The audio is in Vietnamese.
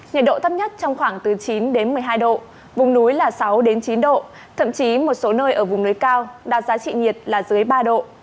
nhiệt độ thấp nhất trong khoảng từ chín một mươi hai độ vùng núi là sáu chín độ thậm chí một số nơi ở vùng núi cao đạt giá trị nhiệt là dưới ba độ